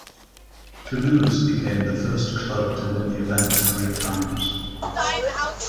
Toulouse became the first club to win the event three times.